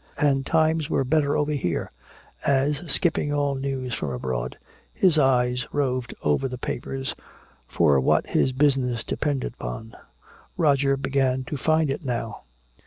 And times were better over here. As, skipping all news from abroad his eye roved over the pages for what his business depended upon, Roger began to find it now.